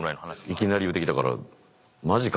いきなり言うてきたから。